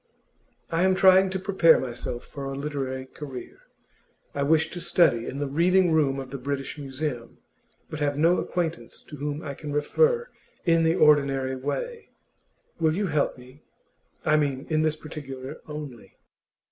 'I am trying to prepare myself for a literary career. I wish to study in the Reading room of the British Museum, but have no acquaintance to whom I can refer in the ordinary way. Will you help me I mean, in this particular only?